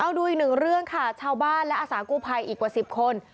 เอาดูอีกหนึ่งเรื่องค่ะชาวบ้านและอาสากู้ภัยอีกกว่า๑๐คน